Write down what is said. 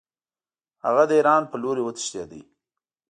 هغه د ایران په لوري وتښتېد.